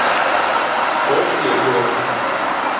Όκι εγκώ!